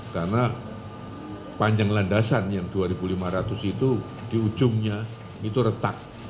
karena panjang landasan yang dua lima ratus itu di ujungnya itu retak